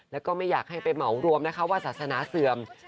แล้วก็ไม่อยากให้ไปเหมารวมนะคะว่าศาสนาเสื่อม